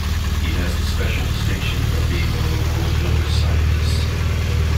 He has the special distinction of being one of the world's youngest scientists.